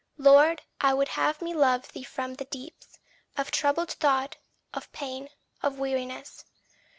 Lord, I would have me love thee from the deeps Of troubled thought, of pain, of weariness.